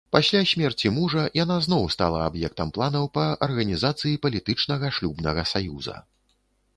Пасля смерці мужа яна зноў стала аб'ектам планаў па арганізацыі палітычнага шлюбнага саюза.